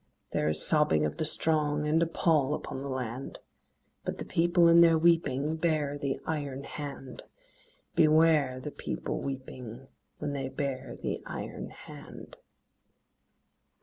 There is sobbing of the strong, And a pall upon the land; But the People in their weeping Bare the iron hand: Beware the People weeping When they bare the iron hand.